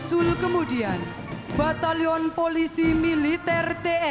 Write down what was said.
selanjutnya batalion kabupaten kedua